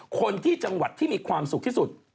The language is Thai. คนที่จังหวัดที่มีความสุขที่สุด